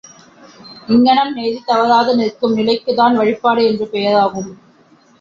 இங்ஙனம் நெறி தவறாது நிற்கும் நிலைக்குத்தான் வழிபாடு என்று பெயராகும்.